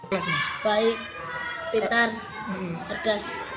baik pintar terkes